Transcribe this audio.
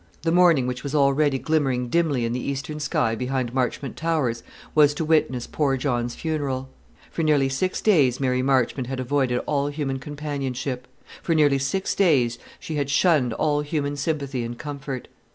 The morning which was already glimmering dimly in the eastern sky behind Marchmont Towers was to witness poor John's funeral. For nearly six days Mary Marchmont had avoided all human companionship: for nearly six days she had shunned all human sympathy and comfort.